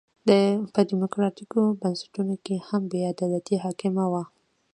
په ډیموکراټیکو بنسټونو کې هم بې عدالتي حاکمه وه.